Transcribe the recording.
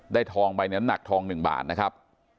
ได้ทองใบน้ำหนักทอง๑บาทนะครับ